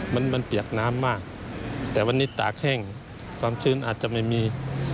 มันมันเปียกน้ำมากแต่วันนี้ตากแห้งความชื้นอาจจะไม่มี